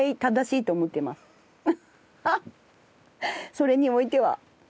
それにおいては。